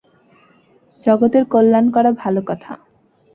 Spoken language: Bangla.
জগতের কল্যাণ করা ভাল কথা।